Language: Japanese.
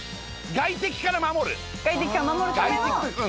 外敵から守る。